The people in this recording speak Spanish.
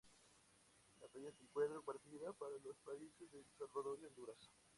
La peña se encuentra compartida por los países de El Salvador y Honduras.